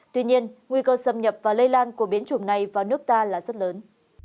tuy nhiên nguy cơ xâm nhập và lây lan của biến chủng này vào nước ta là rất lớn